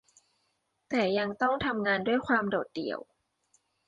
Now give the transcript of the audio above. แต่ยังต้องทำงานด้วยความโดดเดี่ยว